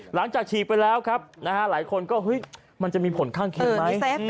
ฉีกไปแล้วครับหลายคนก็เฮ้ยมันจะมีผลข้างเคียงไหม